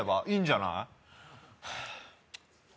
いいんじゃない？